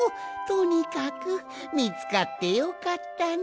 とにかくみつかってよかったのう。